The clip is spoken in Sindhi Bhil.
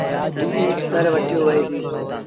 مٽيٚ تر وٺيو ديٚ وهي۔